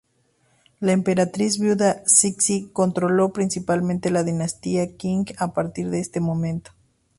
La emperatriz viuda Cixi controló principalmente la dinastía Qing a partir de este momento.